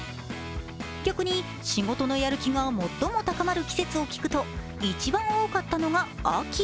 逆に、仕事のやる気が最も高まる季節を聞くと、一番多かったのが秋。